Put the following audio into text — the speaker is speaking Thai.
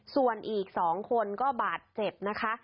ส่วนอีก๒คนก็บาดเจ็บนะคะ